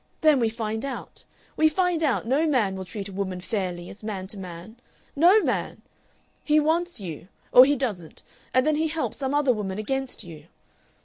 Then we find out. We find out no man will treat a woman fairly as man to man no man. He wants you or he doesn't; and then he helps some other woman against you....